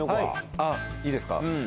はいいいですか？